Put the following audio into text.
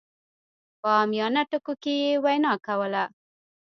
په عاميانه ټکو کې يې وينا کوله.